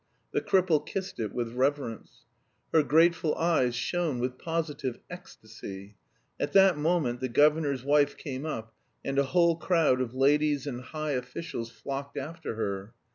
The cripple kissed it with reverence. Her grateful eyes shone with positive ecstasy. At that moment the governor's wife came up, and a whole crowd of ladies and high officials flocked after her.